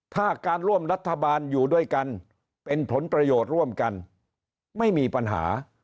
ถ้าการร่วมรัฐบาลอยู่ด้วยกันเป็นผลประโยชน์ร่วมกันไม่มีปัญหา